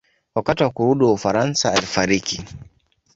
Wakati wa kurudi Ufaransa alifariki.